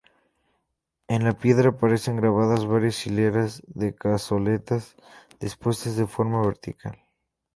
En la piedra aparecen grabadas varias hileras de cazoletas dispuestas de forma vertical.